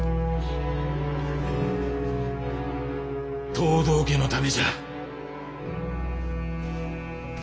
藤堂家のためじゃ。